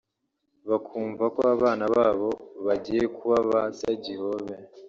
bakumva ko abana babo bagiye kuba ba “sagihobe”